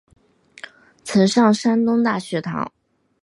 曾上山东大学堂。